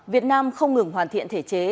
việt nam không ngừng hoàn thiện thể chế